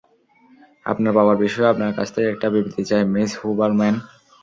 আপনার বাবার বিষয়ে আপনার কাছ থেকে একটা বিবৃতি চাই, মিস হুবারম্যান।